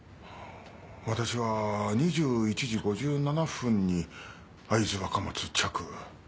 私は２１時５７分に会津若松着。